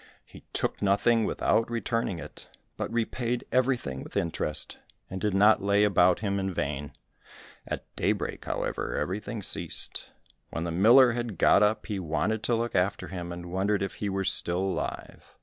He took nothing without returning it, but repaid everything with interest, and did not lay about him in vain. At daybreak, however, everything ceased. When the miller had got up, he wanted to look after him, and wondered if he were still alive.